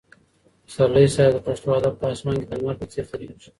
پسرلي صاحب د پښتو ادب په اسمان کې د لمر په څېر ځلېږي.